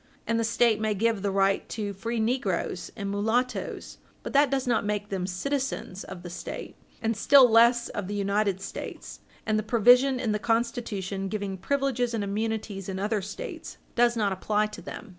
And the State may give the right to free negroes and mulattoes, but that does not make them citizens of the State, and still less of the United States. And the provision in the Constitution giving privileges and immunities in other States does not apply to them.